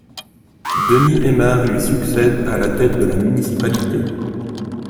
Denis Eymard lui succède à la tête de la municipalité.